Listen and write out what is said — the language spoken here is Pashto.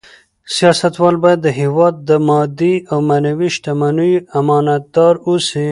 سیاستوال باید د هېواد د مادي او معنوي شتمنیو امانتدار اوسي.